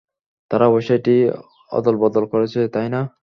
তারা অবশ্যই এটি অদলবদল করেছে তাইনা।